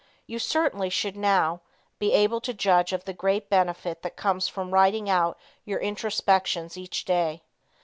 You certainly should now be able to judge of the great benefit that comes from writing out your introspections each day.